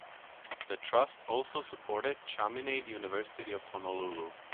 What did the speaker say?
The trust also supported Chaminade University of Honolulu.